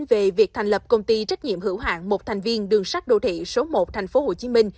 về việc thành lập công ty trách nhiệm hữu hạng một thành viên đường sắt đô thị số một tp hcm